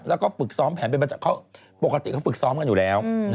แล้วก็ฝึกซ้อมแผนปกติเขาฝึกซ้อมกันอยู่แล้ว